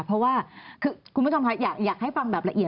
เพราะว่าคุณผู้ชมของฉันอยากให้ฟังแบบละเอียด